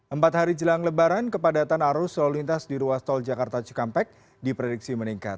empat hari jelang lebaran kepadatan arus lalu lintas di ruas tol jakarta cikampek diprediksi meningkat